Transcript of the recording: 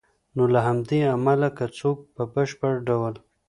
نو له همدې امله که څوک په بشپړ ډول